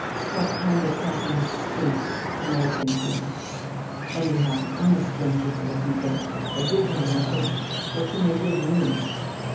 That kind of happiness stinks, to my thinking. Anyhow, I'm a stranger to the people. I give them nothing what can they give me?